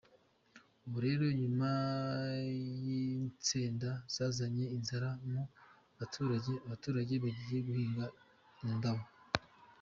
Ubu rero nyuma yinsenda zazanye inzara mu abaturage abaturage bagiye guhinga indabo.